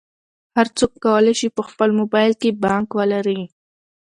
هر څوک کولی شي په خپل موبایل کې بانک ولري.